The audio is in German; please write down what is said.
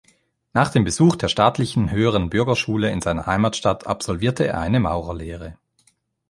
Nach dem Besuch der Staatlichen Höheren Bürgerschule in seiner Heimatstadt absolvierte er eine Maurerlehre.